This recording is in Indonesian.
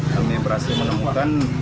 kami berhasil menemukan